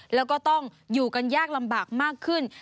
แล้วก็ต้องอยู่กันยากลำบากมากขึ้น